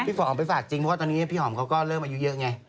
หอมไปฝากจริงเพราะว่าตอนนี้พี่หอมเขาก็เริ่มอายุเยอะไง